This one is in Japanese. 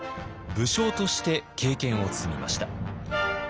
武将として経験を積みました。